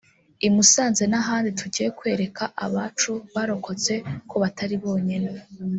i Musanze n’ahandi tugiye kwereka abacu barokotse ko batari bonyine